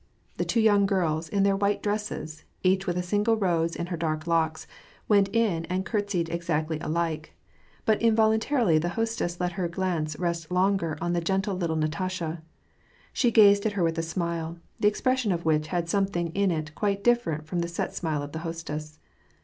The two young girls, in their white dresses, each with a single rose in her dark locks, went in and courtesied exactly alike ; but involuntarily the hostess let her glance rest longer on the gentle liMle Natasha. She gazed at her with a smile^ the expression of which had something in it quite different from the set smile of the hostess.